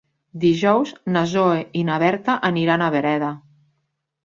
Dijous na Zoè i na Berta aniran a Breda.